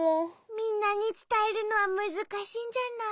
みんなにつたえるのはむずかしいんじゃない？